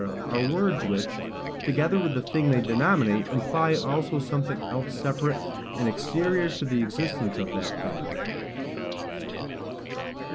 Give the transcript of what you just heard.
are words which, together with the thing they denominate, imply also something else separate and exterior to the existence of that thing.